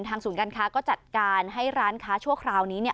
ทางสูญการค้าก็จัดการให้ร้านค้าชั่วคราวนี้